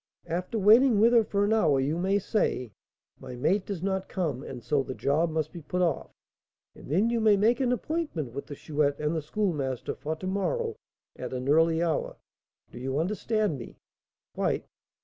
"After waiting with her for an hour, you may say, 'My mate does not come, and so the job must be put off;' and then you may make an appointment with the Chouette and the Schoolmaster for to morrow, at an early hour. Do you understand me?" "Quite."